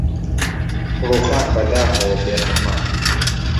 ڕووخان بەداخەوە بێ قرمە